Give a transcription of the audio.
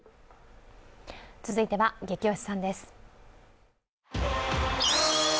続いては「ゲキ推しさん」です。